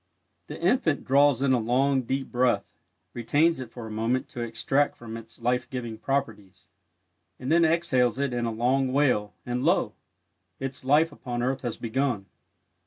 The infant draws in a long, deep breath, retains it for a moment to extract from it its life giving properties, and then exhales it in a long wail, and lo! its life upon earth has begun.